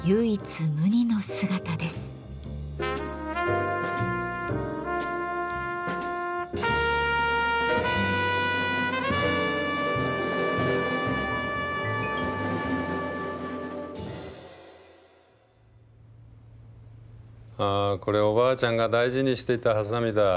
あこれおばあちゃんが大事にしていたはさみだ。